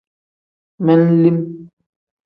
Men-lim.